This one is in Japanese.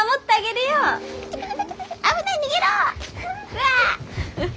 うわ！